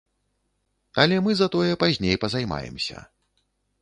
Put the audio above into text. Але мы затое пазней пазаймаемся.